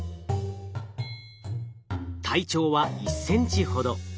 体長は１センチほど。